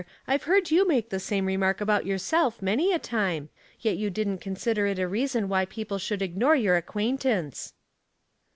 I've heard you make the same remark about yourself many a time, yet you didn't con sider it a reason why people should ignore your acquaintance."